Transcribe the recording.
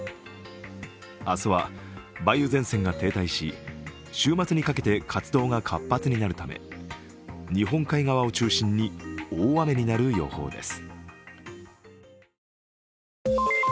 明日は梅雨前線が停滞し週末にかけて活動が活発になるため、日本海側を中心に大雨になる予報です。